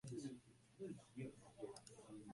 生活篇